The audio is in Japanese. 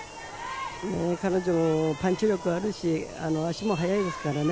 彼女、パンチ力あるし、足も速いですからね。